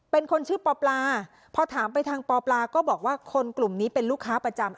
เป็นคนชื่อปอปลาพอถามไปทางปปลาก็บอกว่าคนกลุ่มนี้เป็นลูกค้าประจำ